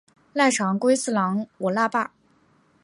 濑长龟次郎我那霸。